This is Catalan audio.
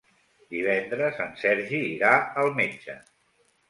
Divendres en Sergi irà al metge.